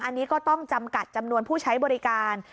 อันนี้ก็ต้องจำกัดจำนวนผู้ใช้บริการ